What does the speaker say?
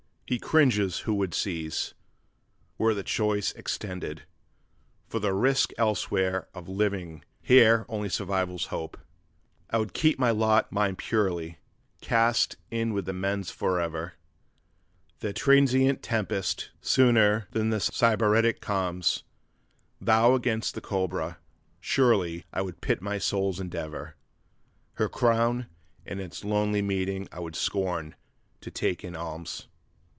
He cringes who would seize, were the choice extended, For the risk elsewhere of living, here only survival's hope! 'I would keep my lot mine purely, cast in with men's forever; Their transient tempest sooner than these Sybaritic calms; Tho' against the cobra, surely, I would pit my soul's endeavor, Her crown and its lonely meaning I would scorn to take in alms.